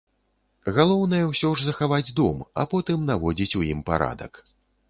Галоўнае, усё ж захаваць дом, а потым наводзіць у ім парадак.